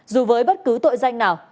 dù với bất cứ tội danh nào